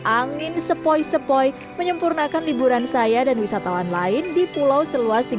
angin sepoi sepoi menyempurnakan liburan saya dan wisatawan lain di pulau seluas tiga puluh satu hektare ini